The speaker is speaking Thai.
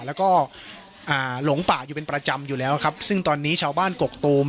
แล้วก็อ่าหลงป่าอยู่เป็นประจำอยู่แล้วครับซึ่งตอนนี้ชาวบ้านกกตูม